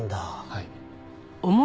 はい。